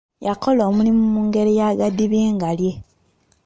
Yakola omulimu mu ngeri ya gadibengalye.